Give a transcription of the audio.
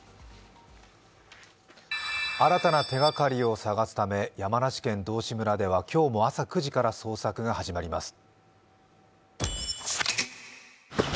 新たな手がかりを探すため、山梨県道志村では今日も朝９時から捜索が始まります